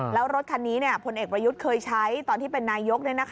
แล้วรถคันนี้พลเอกประยุทธ์เคยใช้ตอนที่เป็นนายก